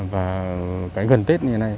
và cái gần tết như thế này